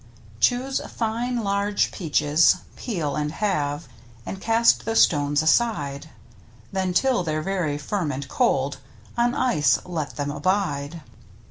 Choose fine large peaches, peel and halve, And cast the stones aside, Then, till they're very firm and cold, On ice let them abide.